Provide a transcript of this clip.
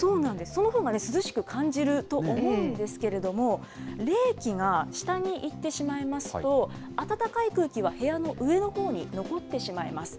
そのほうがね、涼しく感じると思うんですけれども、冷気が下に行ってしまいますと、暖かい空気は部屋の上のほうに残ってしまいます。